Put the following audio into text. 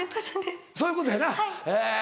そういうことです。